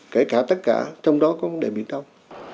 kể cả tất cả trong đó có vấn đề biển đông